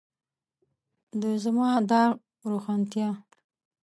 د زما داغ روښانتیا.